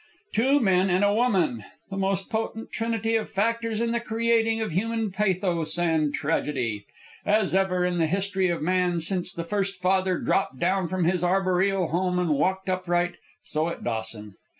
Two men and a woman! The most potent trinity of factors in the creating of human pathos and tragedy! As ever in the history of man, since the first father dropped down from his arboreal home and walked upright, so at Dawson.